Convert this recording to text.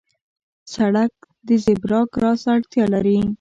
سړک د زېبرا کراس اړتیا لري.